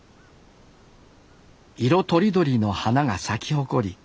色とりどりの花が咲き誇り